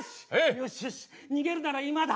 よしよし逃げるなら今だ！